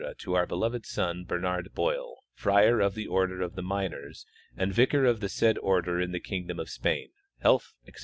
to our beloved son, Bernard Boil, friar of the order of Minors and vicar of the said order in the kingdom of Spain, health, etc.